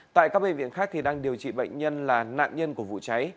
tại các bệnh viện khác đang điều trị bệnh nhân là nạn nhân của vụ cháy